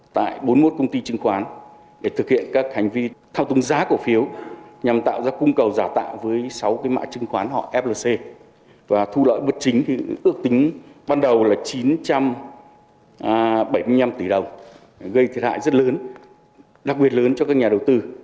tại bốn mươi một công ty chứng khoán để thực hiện các hành vi thao túng giá cổ phiếu nhằm tạo ra cung cầu giả tạo với sáu cái mã chứng khoán họ flc và thu lợi bất chính ước tính ban đầu là chín trăm bảy mươi năm tỷ đồng gây thiệt hại rất lớn đặc biệt lớn cho các nhà đầu tư